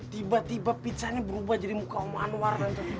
tiba tiba pizzanya berubah jadi muka om anwar tante